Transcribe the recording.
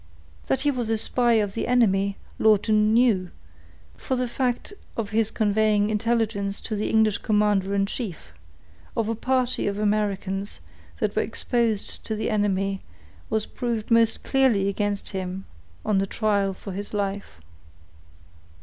That he was a spy of the enemy, Lawton knew; for the fact of his conveying intelligence to the English commander in chief, of a party of Americans that were exposed to the enemy was proved most clearly against him on the trial for his life.